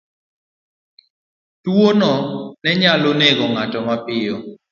Tuwono ne nyalo nego ng'ato mapiyo.